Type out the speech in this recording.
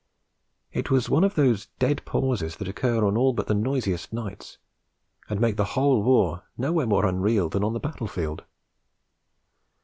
It was one of those dead pauses that occur on all but the noisiest nights, and make the whole war nowhere more unreal than on the battle field.